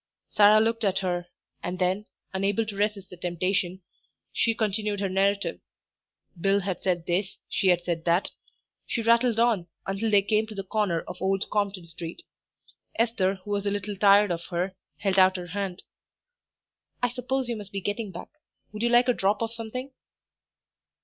Sarah looked at her, and then, unable to resist the temptation, she continued her narrative Bill had said this, she had said that. She rattled on, until they came to the corner of Old Compton Street. Esther, who was a little tired of her, held out her hand. "I suppose you must be getting back; would you like a drop of something?"